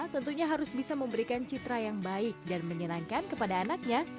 tentunya harus bisa memberikan citra yang baik dan menyenangkan kepada anaknya